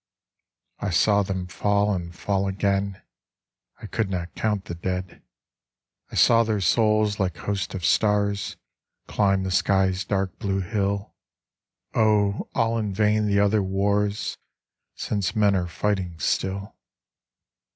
I saw them fall and fall again : I could not count the dead. I saw their souls like hosts of stars Climb the sky's dark blue hill. Oh, all in vain the other wars Since men are fighting still!